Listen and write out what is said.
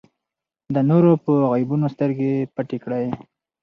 د نورو په عیبونو سترګې پټې کړئ.